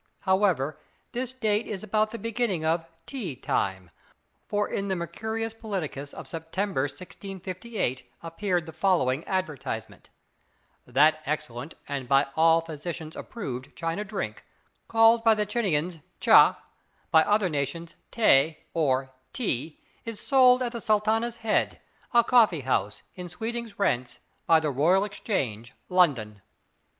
However, this date is about the beginning of TEA TIME, for in the Mercurius Politicius of September, 1658, appeared the following advertisement: That excellent and by all Physitians approved China drink, called by the Chineans, Tcha, by other nations, Tay, or Tea, is sold at the Sultana's Head, a Copphee House, in Sweetings Rents, by the Royal Exchange, London.